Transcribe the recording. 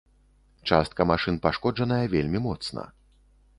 Частка машын пашкоджаная вельмі моцна.